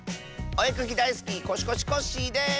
おえかきだいすきコシコシコッシーです！